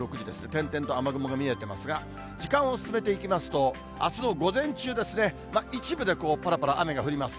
点々と雨雲が見えてますが、時間を進めていきますと、あすの午前中ですね、一部でこう、ぱらぱら雨が降ります。